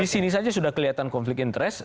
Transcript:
disini saja sudah terlihat konflik of interest